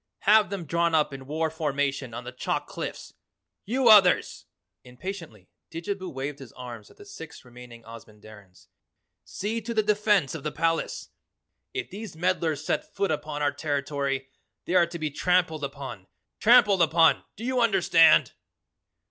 Have them drawn up in war formation on the chalk cliffs. You others!" impatiently Didjabo waved his arms at the six remaining Ozamandarins, "See to the defense of the palace! If these meddlers set foot upon our territory they are to be trampled upon, trampled upon do you understand?"